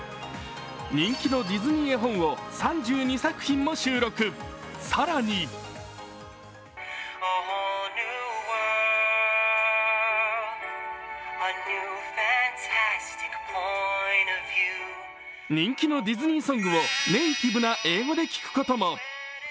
人気のディズニー絵本を３２作品も収録、更に人気のディズニーソングをネイティブな英語で聴くことも。